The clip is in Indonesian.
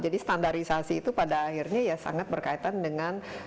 jadi standarisasi itu pada akhirnya ya sangat berkaitan dengan